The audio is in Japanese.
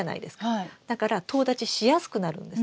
だからとう立ちしやすくなるんですね。